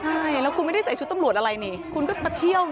ใช่แล้วคุณไม่ได้ใส่ชุดตำรวจอะไรนี่คุณก็มาเที่ยวนะ